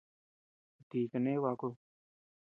¿A ti kane bakud?